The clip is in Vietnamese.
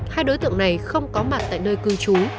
hai đối tượng này không có mặt tại nơi cư trú